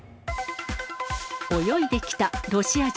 泳いできたロシア人。